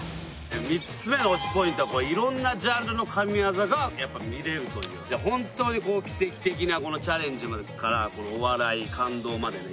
３つ目の推しポイントは色んなジャンルの神業が見れるというホントに奇跡的なチャレンジからお笑い感動までね